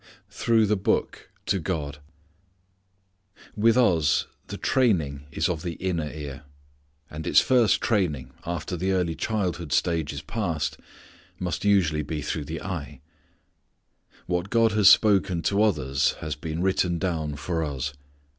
Through the Book to God. With us the training is of the inner ear. And its first training, after the early childhood stage is passed, must usually be through the eye. What God has spoken to others has been written down for us.